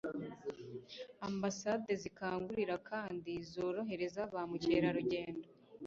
ambasade zikangurira kandi zorohereza ba mukerarugendo